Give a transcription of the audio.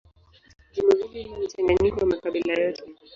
Jimbo hili lina mchanganyiko wa makabila yote.